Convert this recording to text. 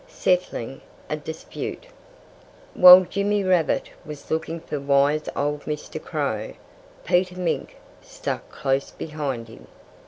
SETTLING A DISPUTE While Jimmy Rabbit was looking for wise old Mr. Crow, Peter Mink stuck close behind him.